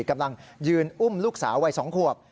กำลังยืนอุ้มลูกสาววัย๒ขวบ